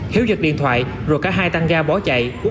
hiếu giật điện thoại rồi cả hai tăng ga bỏ chạy